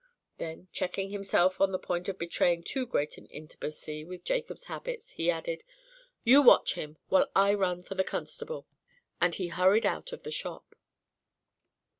Then checking himself on the point of betraying too great an intimacy with Jacob's habits, he added "You watch him, while I run for the constable." And he hurried out of the shop.